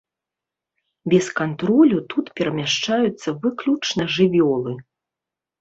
Без кантролю тут перамяшчаюцца выключна жывёлы.